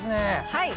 はい。